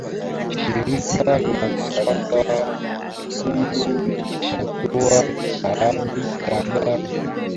shirika la msalaba mwekundu lishatoa tahadhari